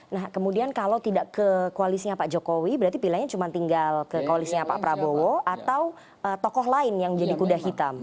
nah kemudian kalau tidak ke koalisnya pak jokowi berarti pilihannya cuma tinggal ke koalisnya pak prabowo atau tokoh lain yang jadi kuda hitam